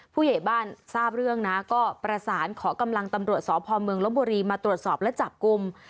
ผู้ใหญ่บ้านทราบเรื่องนะก็ประสานขอกำลังตำรวจสพเมืองลบบุรีมาตรวจสอบและจับกลุ่ม